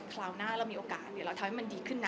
คราวหน้าเรามีโอกาสเดี๋ยวเราทำให้มันดีขึ้นนะ